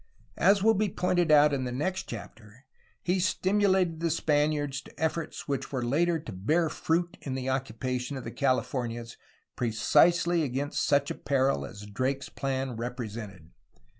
As will be pointed out in the next chapter, he stimulated the Spaniards to efforts which were later to bear fruit in the occupation of the Californias precisely against such a peril as Drake's plan represented.